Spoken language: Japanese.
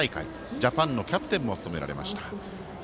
ジャパンのキャプテンも務められました。